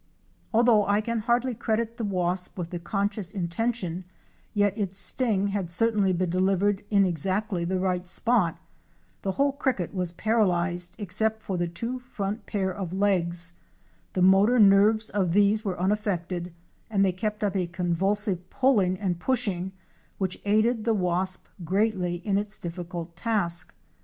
Although I can hardly credit the wasp with the conscious intention, yet its sting had certainly been delivered in exactly the right spot. The whole cricket was paralyzed except for the two front pair of legs. The motor nerves of these were unaffected and they kept up a convulsive pulling and pushing which aided the wasp greatly in its difficult task.